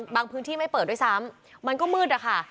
พื้นที่ไม่เปิดด้วยซ้ำมันก็มืดนะคะ